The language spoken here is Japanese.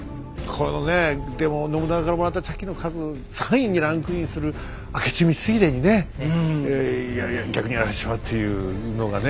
このねでも信長からもらった茶器の数３位にランクインする明智光秀にね逆にやられてしまうっていうのがね